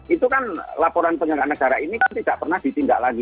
itu kan laporan penyelenggaraan negara ini kan tidak pernah ditindak lagi